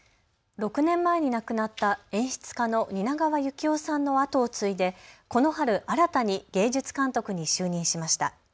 ６年前に亡くなった演出家の蜷川幸雄さんの後を継いでこの春、新たに芸術監督に就任しました。